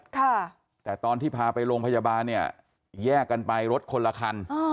ค่ะแต่ตอนที่พาไปโรงพยาบาลเนี่ยแยกกันไปรถคนละคันอ๋อ